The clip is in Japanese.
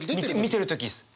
見てる時です。